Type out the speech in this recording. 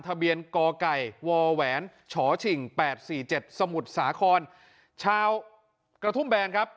ทะเบียนกไก่วแหวนฉิง๘๔๗สมุทรสาครชาวกระทุ่มแบนครับ